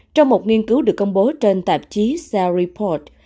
trong một nghiên cứu được công bố trên tạp chí cell report